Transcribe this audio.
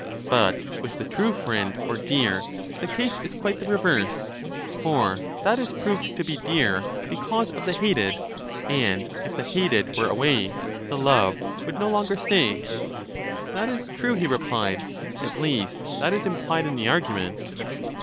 But with the true friend or dear, the case is quite the reverse ; for that is proved to be dear because of the hated, and if the hated were away, the loved would no longer stay. That is true, he replied ; at least, that is implied in the argument.